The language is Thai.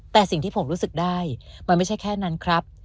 แต่สิ่งที่ผมรู้สึกได้มันไม่ใช่แค่นั้นครับ